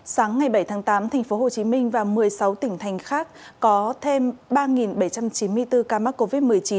sáng ngày bảy tháng tám tp hcm và một mươi sáu tỉnh thành khác có thêm ba bảy trăm chín mươi bốn ca mắc covid một mươi chín